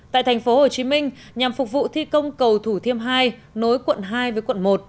tại thành phố hồ chí minh nhằm phục vụ thi công cầu thủ thiêm hai nối quận hai với quận một